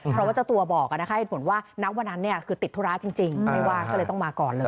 เพราะว่าเจ้าตัวบอกนะคะเหตุผลว่าณวันนั้นคือติดธุระจริงไม่ว่าก็เลยต้องมาก่อนเลย